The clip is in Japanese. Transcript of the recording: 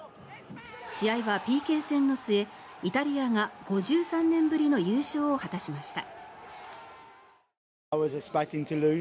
試合はＰＫ戦の末イタリアが５３年ぶりの優勝を果たしました。